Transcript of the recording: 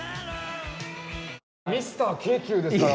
ミスター京急ですから。